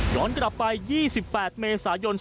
ย้อนกลับไป๒๘เมษายน๒๕๖๑